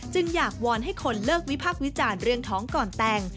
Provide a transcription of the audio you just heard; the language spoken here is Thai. อยากวอนให้คนเลิกวิพากษ์วิจารณ์เรื่องท้องก่อนแต่ง